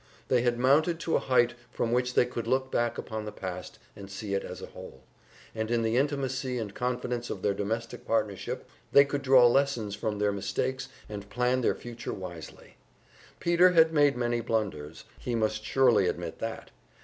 They had mounted to a height from which they could look back upon the past and see it as a whole, and in the intimacy and confidence of their domestic partnership they could draw lessons from their mistakes and plan their future wisely. Peter had made many blunders he must surely admit that.